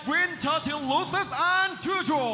๓๕วินทัศน์ลูซิสและทูชัวร์